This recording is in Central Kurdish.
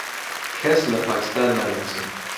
کەس لە پاکستان ناناسم.